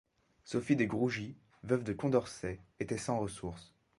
Sophie de Grougy, veuve de Condorcet, était sans ressources.